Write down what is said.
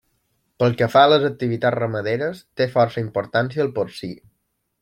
Pel que fa a les activitats ramaderes, té força importància el porcí.